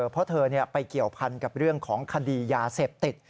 เพราะเธอไปเกี่ยวพันกับเรื่องของคดียาเสพติด